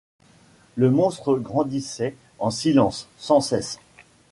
Le monstre grandissait en silence, sans cesse.